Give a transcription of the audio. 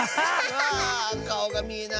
わかおがみえない。